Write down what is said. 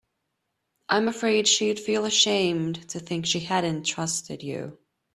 I'm afraid she'd feel ashamed to think she hadn't trusted you.